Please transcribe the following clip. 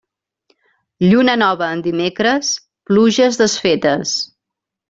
Lluna nova en dimecres, pluges desfetes.